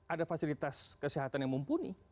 ada fasilitas kesehatan yang mumpuni